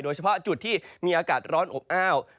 เฉพาะจุดที่มีอากาศร้อนอบอ้าว